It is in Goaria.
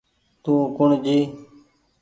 تو ڪوٚڻ جي